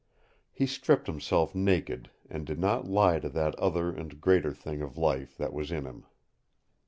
He stripped himself naked and did not lie to that other and greater thing of life that was in him.